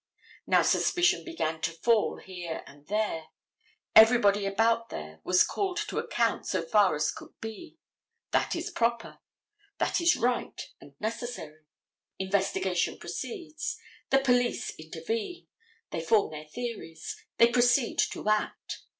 Now, suspicion began to fall here and there. Everybody about there was called to account so far as could be. That is proper. That is right and necessary. Investigation proceeds. The police intervene. They form their theories. They proceed to act.